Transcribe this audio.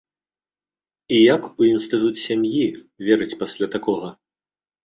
І як у інстытут сям'і верыць пасля такога?